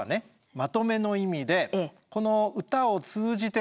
まとめの意味でこの歌を通じてですね